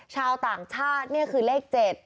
ชาวต่างชาตินี่คือเลข๗